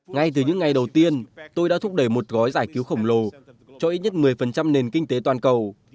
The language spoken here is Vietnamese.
ngay từ những ngày đầu tiên tôi đã thúc đẩy một gói giải cứu khổng lồ cho ít nhất một mươi nền kinh tế toàn cầu